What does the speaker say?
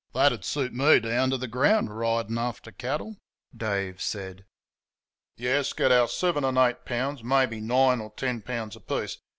"That'd suit me down to the ground, ridin' about after cattle," Dave said. "Yes, get our seven and eight pounds, maybe nine or ten pounds a piece.